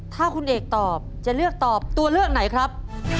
ถ้าคุณเอกตอบจะเลือกตอบตัวเลือกไหนครับ